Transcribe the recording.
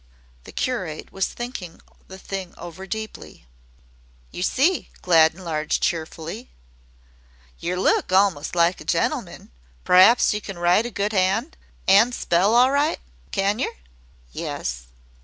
The curate was thinking the thing over deeply. "Yer see," Glad enlarged cheerfully, "yer look almost like a gentleman. P'raps yer can write a good 'and an' spell all right. Can yer?" "Yes."